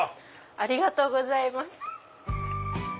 ありがとうございます。